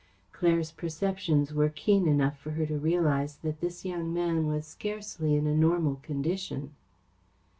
Claire's perceptions were keen enough for her to realise that this young man was scarcely in a normal condition.